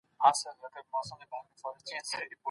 زکات ادا کول د هر چا دنده ده.